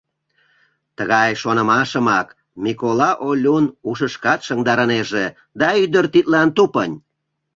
Тыгай шонымашымак Микола Олюн ушышкат шыҥдарынеже, да ӱдыр тидлан тупынь.